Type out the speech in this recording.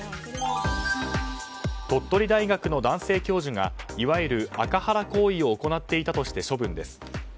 鳥取大学の男性教授がいわゆるアカハラ行為を行っていたとして処分です。